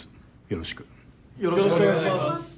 よろしくお願いします！